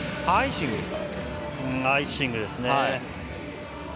アイシングですね。